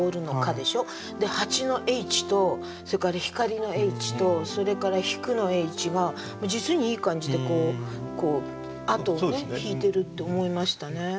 でしょで「蜂」の「Ｈ」とそれから「光」の「Ｈ」とそれから「ひく」の「Ｈ」が実にいい感じで後を引いてるって思いましたね。